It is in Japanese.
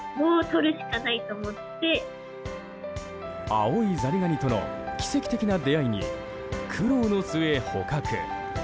青いザリガニとの奇跡的な出会いに苦労の末、捕獲。